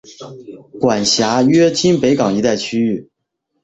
管辖约今北港一带区域。